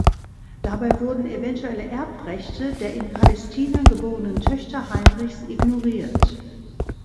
Dabei wurden eventuelle Erbrechte der in Palästina geborenen Töchter Heinrichs ignoriert.